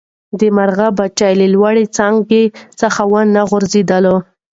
د مرغۍ بچي له لوړې څانګې څخه ونه غورځېدل.